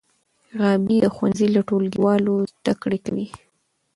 غابي د ښوونځي له ټولګیوالو زده کړې کوي.